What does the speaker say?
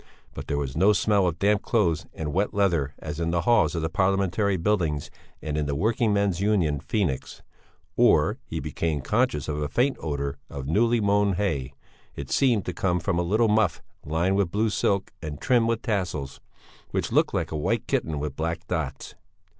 But there was no smell of damp clothes and wet leather as in the halls of the Parliamentary Buildings and in the Working men's Union "Phoenix," or he became conscious of a faint odour of newly mown hay it seemed to come from a little muff lined with blue silk and trimmed with tassels, which looked like a white kitten with black dots.